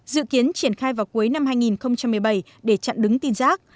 dự kiến triển khai vào cuối năm hai nghìn một mươi bảy để chặn đứng tin rác